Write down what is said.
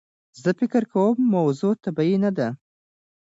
زه فکر کوم موضوع طبیعي نده.